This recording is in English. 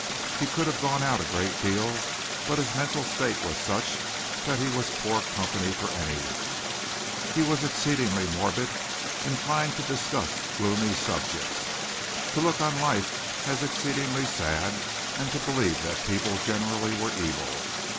He could have gone out a great deal, but his mental state was such that he was poor company for anyone. He was exceedingly morbid, inclined to discuss gloomy subjects, to look on life as exceedingly sad and to believe that people generally were evil.